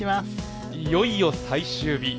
いよいよ最終日。